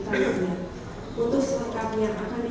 saya mendapat informasi